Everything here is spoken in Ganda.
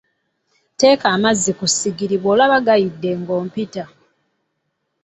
Tteeka amazzi ku ssigiri bw'olaba gayidde ng'ompita.